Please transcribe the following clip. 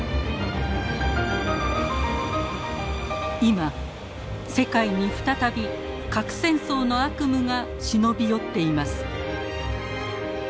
今世界に再び核戦争の悪夢が忍び寄っています。